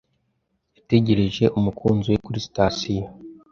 Yategereje umukunzi we kuri sitasiyo.